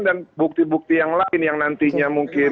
dan bukti bukti yang lain yang nantinya mungkin